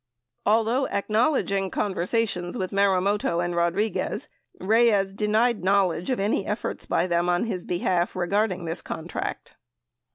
Although acknowledging conversa tions with Marumoto and Rodriguez, Reyes denied knowledge of any efforts by them on his behalf regarding this contract.